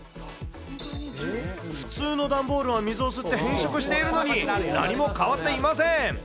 普通の段ボールは水を吸って変色しているのに、何も変わっていません。